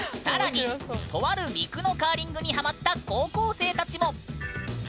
更にとある陸のカーリングにハマった高校生たちも！